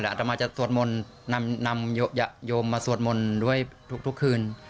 อาตามาจะนำหย่อยยมมาสาวดมนต์คนอดทุกคืน